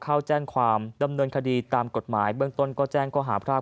เข้าแจ้งความดำเนินคดีตามกฎหมายเบื้องต้นก็แจ้งข้อหาพราก